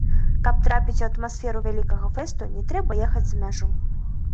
Каб трапіць у атмасферу вялікага фэсту, не трэба ехаць за мяжу!